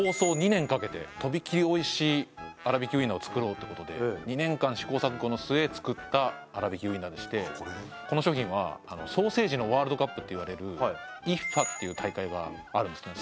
２年かけてとびきりおいしいあらびきウインナーを作ろうってことで２年間試行錯誤の末作ったあらびきウインナーでしてこの商品はソーセージのワールドカップっていわれるＩＦＦＡっていう大会があるんですね